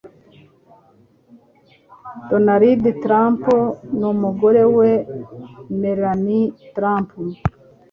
donald trump n' umugore we melanie trump